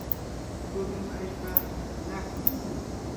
purun allpa anaqmi.